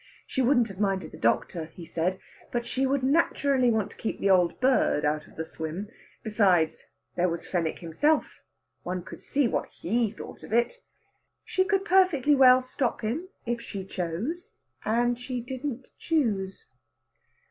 She wouldn't have minded the doctor, he said, but she would naturally want to keep the old bird out of the swim. Besides, there was Fenwick himself one could see what he thought of it! She could perfectly well stop him if she chose, and she didn't choose.